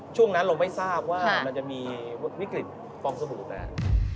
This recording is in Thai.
ช่วงนั้นเราไม่ทราบว่ามันจะมีวิกฤตฟองสบู่แตก